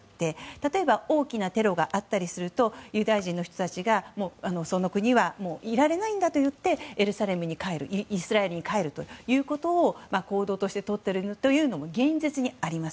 例えば、大きなテロがあったりするとユダヤ人の人たちがその国にいられないといってイスラエルに帰るという行動をとっていることも現実であります。